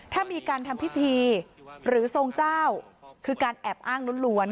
ถ้ามีการทำพิธีหรือทรงเจ้าคือการแอบอ้างล้วน